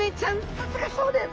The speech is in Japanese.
さすがそうです！